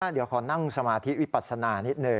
เดี๋ยวขอนั่งสมาธิวิปัสนานิดหนึ่ง